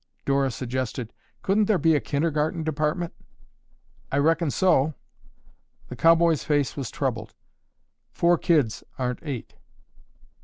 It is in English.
Dora suggested, "Couldn't there be a kindergarten department?" "I reckon so." The cowboy's face was troubled. "Four kids aren't eight."